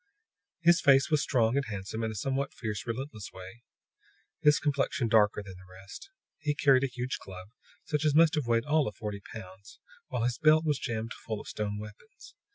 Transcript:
His face was strong and handsome in a somewhat fierce, relentless way; his complexion darker than the rest. He carried a huge club, such as must have weighed all of forty pounds, while his belt was jammed full of stone weapons.